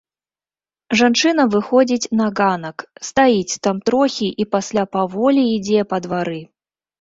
Жанчына выходзіць на ганак, стаіць там трохі і пасля паволі ідзе па двары.